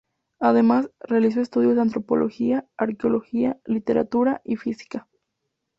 Además, realizó estudios de antropología, arqueología, literatura y física.